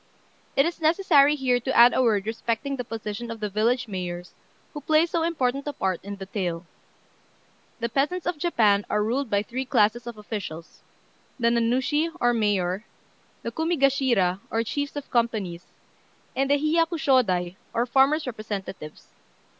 It is necessary here to add a word respecting the position of the village mayors, who play so important a part in the tale. The peasants of Japan are ruled by three classes of officials: the Nanushi, or mayor; the Kumigashira, or chiefs of companies; and the Hiyakushôdai, or farmers' representatives.